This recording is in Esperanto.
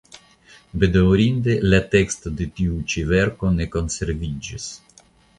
Bedaŭrinde la teksto de tiu ĉi verko ne konsreviĝis.